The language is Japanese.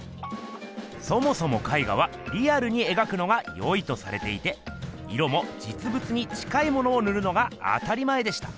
そもそも絵画はリアルに描くのがよいとされていて色もじつぶつに近いものをぬるのが当たり前でした。